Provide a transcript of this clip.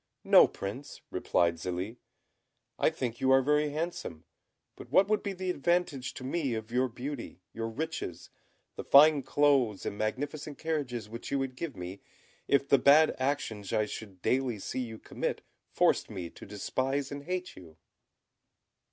"No, Prince," replied Zélie; "I think you are very handsome; but what would be the advantage to me of your beauty, your riches, the fine clothes and magnificent carriages which you would give me, if the bad actions I should daily see you commit forced me to despise and hate you?"